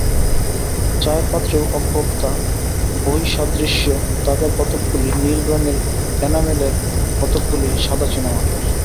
চায়ের পাত্রেও অগত্যা বৈসাদৃশ্য, তাদের কতকগুলি নীলরঙের এনামেলের, কতকগুলি সাদা চীনামাটির।